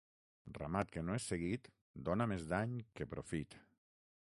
Ramat que no és seguit dóna més dany que profit.